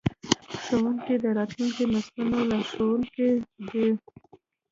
ښوونکي د راتلونکو نسلونو لارښوونکي دي.